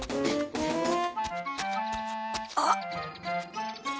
あっ。